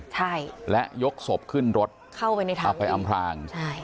ใช่และยกศพขึ้นรถเข้าไปในถังเอาไปอำพลางใช่